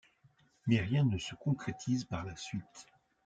Mais rien ne se concrétise par la suite.